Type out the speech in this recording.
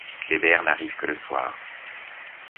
Kléber, n’arrive que le soir.